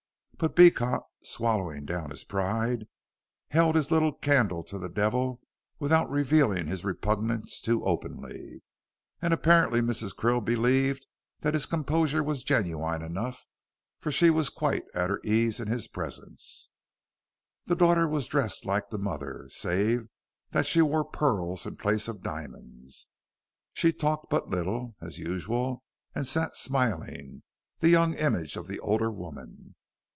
But Beecot, swallowing down his pride, held his little candle to the devil without revealing his repugnance too openly. And apparently Mrs. Krill believed that his composure was genuine enough, for she was quite at her ease in his presence. The daughter was dressed like the mother, save that she wore pearls in place of diamonds. She talked but little, as usual, and sat smiling, the young image of the older woman.